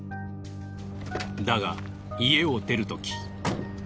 だが家を出るとき。